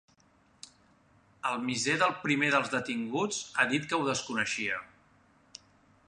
El misser del primer dels detinguts ha dit que ho desconeixia.